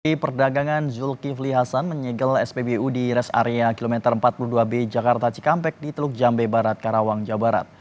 menteri perdagangan zulkifli hasan menyegel spbu di rest area kilometer empat puluh dua b jakarta cikampek di teluk jambe barat karawang jawa barat